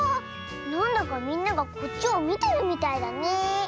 なんだかみんながこっちをみてるみたいだねえ。